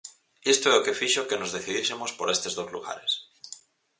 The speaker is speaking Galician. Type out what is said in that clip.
Isto é o que fixo que nos decidísemos por estes dous lugares.